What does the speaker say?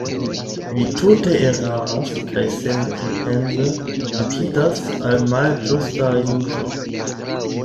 Vi tute eraras kaj senpripense rapidas al malĝusta juĝo.